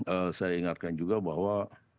eee saya ingatkan juga bahwa